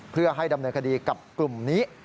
เพื่อให้ดำเนินคดีกับกลุ่มนี้